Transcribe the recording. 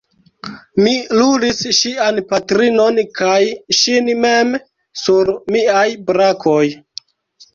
Mi lulis ŝian patrinon kaj ŝin mem sur miaj brakoj.